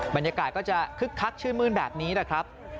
บรรยากาศก็จะคึกคักชื่นมื้นแบบนี้แหละครับ